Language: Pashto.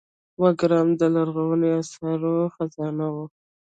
بګرام د لرغونو اثارو خزانه وه